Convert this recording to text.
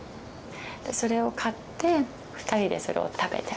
でそれを買って二人でそれを食べて。